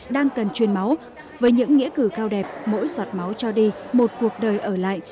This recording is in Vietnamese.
đang cần truyền máu với những nghĩa cử cao đẹp mỗi giọt máu cho đi một cuộc đời ở lại